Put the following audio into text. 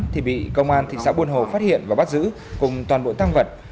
thì bị công an thị xã buôn hồ phát hiện và bắt giữ cùng toàn bộ tăng vật